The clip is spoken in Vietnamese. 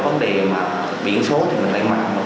là đó là ba biển số đầu